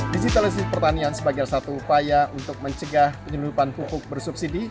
digitalisasi pertanian sebagai satu upaya untuk mencegah penyelundupan pupuk bersubsidi